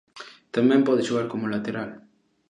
Tamén pode xogar como lateral.